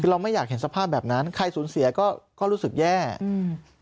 คือเราไม่อยากเห็นสภาพแบบนั้นใครสูญเสียก็ก็รู้สึกแย่อืม